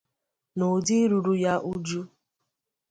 n'ụdị iruru ya uju